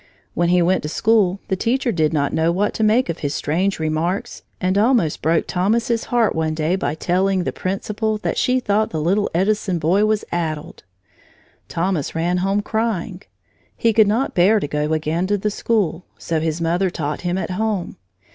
When he went to school, the teacher did not know what to make of his strange remarks and almost broke Thomas's heart one day by telling the principal that she thought the little Edison boy was "addled." Thomas ran home crying. He could not bear to go again to the school, so his mother taught him at home.